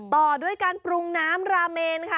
ต่อด้วยการปรุงน้ำราเมนค่ะ